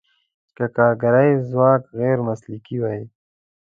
که کارګري ځواک غیر مسلکي وي.